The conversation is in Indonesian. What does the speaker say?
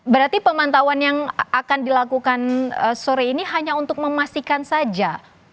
berarti pemantauan yang akan dilakukan sore ini hanya untuk memastikan saja